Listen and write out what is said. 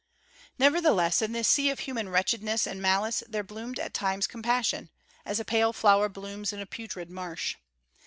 Nevertheless, in this sea of human wretchedness and malice there bloomed at times compassion, as a pale flower blooms in a putrid marsh.